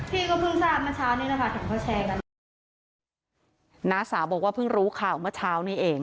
พี่ก็เพิ่งทราบเมื่อเช้านี้นะคะถึงเขาแชร์กันน้าสาวบอกว่าเพิ่งรู้ข่าวเมื่อเช้านี้เอง